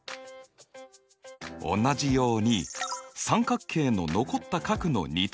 同じように三角形の残った角の二等